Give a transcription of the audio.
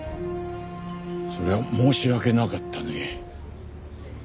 それは申し訳なかったね。